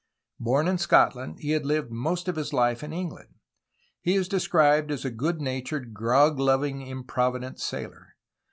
Born in Scotland he had lived most of his life in England. He is described as a good natured, grog loving, improvident sailor.